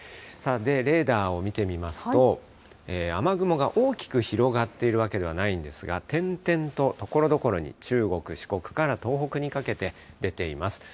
レーダーを見てみますと、雨雲が大きく広がっているわけではないんですが、点々とところどころに中国、四国から東北にかけて、出ています。